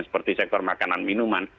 seperti sektor makanan minuman